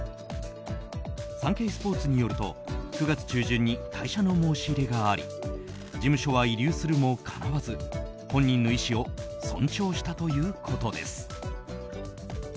サンケイスポーツによると９月中旬に退社の申し入れがあり事務所は慰留するも、かなわず本人の意思を尊重したということです。